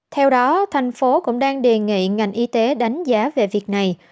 theo đó thành phố cũng đang đề nghị ngành y tế đánh giá về việc này